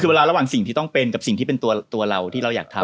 คือเวลาระหว่างสิ่งที่ต้องเป็นกับสิ่งที่เป็นตัวเราที่เราอยากทำ